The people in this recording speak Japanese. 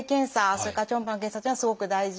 それから超音波の検査というのはすごく大事ですね。